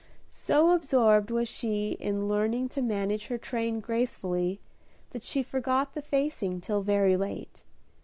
So absorbed was she in learning to manage her train gracefully, that she forgot the facing till very late.